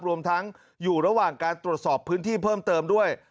รวมทั้งอยู่ระหว่างการตรวจสอบพื้นที่เพิ่มเติมด้วย